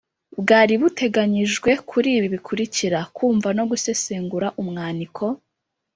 bwari buteganyijwe kuri ibi bikurikira: kumva no gusesengura umwaniko,